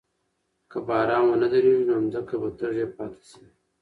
که باران ونه وریږي نو ځمکه به تږې پاتې شي.